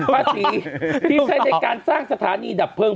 ภาษีที่ใช้ในการสร้างสถานีดับเพลิง